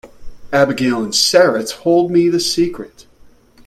Abigail and Sara told me the secret.